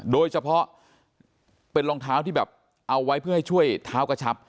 โดยเฉพาะเป็นรองเท้าที่แบบเอาไว้เพื่อให้ช่วยเท้ากระชับ